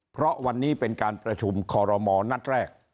เพราะวันนี้เป็นการประชุมคอรมอลนัดแรก